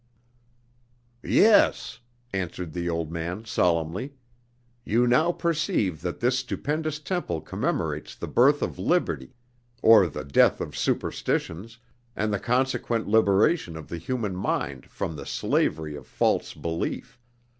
"Yes," answered the old man solemnly, "you now perceive that this stupendous temple commemorates the birth of liberty, or the death of superstitions, and the consequent liberation of the human mind from the slavery of false belief.